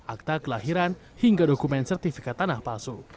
akta kelahiran hingga dokumen sertifikat tanah palsu